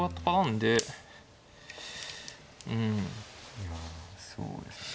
いやそうですね。